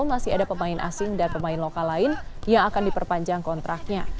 masih ada pemain asing dan pemain lokal lain yang akan diperpanjang kontraknya